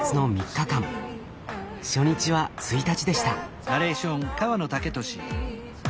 初日は１日でした。